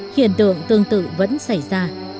hiện tượng tương tự vẫn xảy ra